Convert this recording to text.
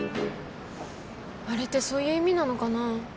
あれってそういう意味なのかな。